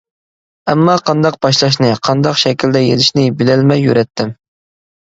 ئەمما قانداق باشلاشنى، قانداق شەكىلدە يېزىشنى بىلەلمەي يۈرەتتىم.